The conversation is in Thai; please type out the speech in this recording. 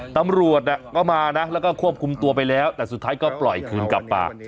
ตำรวจก็มานะแล้วก็ควบคุมตัวไปแล้วแต่สุดท้ายก็ปล่อยคืนกลับปาก